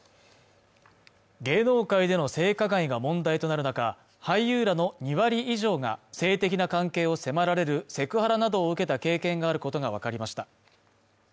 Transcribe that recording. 芸能界での性加害が問題となる中俳優らの２割以上が性的な関係を迫られるセクハラなどを受けた経験があることが分かりました